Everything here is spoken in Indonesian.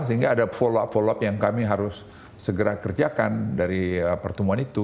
sehingga ada follow up follow up yang kami harus segera kerjakan dari pertemuan itu